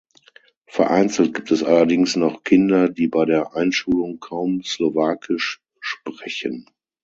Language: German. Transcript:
Vereinzelt gibt es allerdings noch Kinder, die bei der Einschulung kaum Slowakisch sprechen.